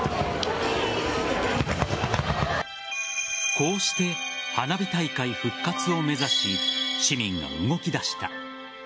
こうして花火大会復活を目指し市民が動き出した。